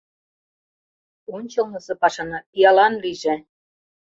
Ончылнысо пашана пиалан лийже!